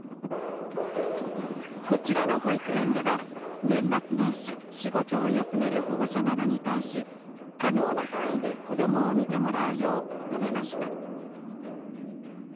こちらの保育園では、年末年始仕事を休める保護者などに対し可能な範囲で子どもを見てもらうよう求めました。